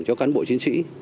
cho cán bộ chiến sĩ